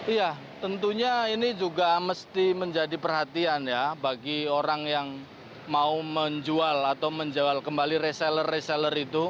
iya tentunya ini juga mesti menjadi perhatian ya bagi orang yang mau menjual atau menjual kembali reseller reseller itu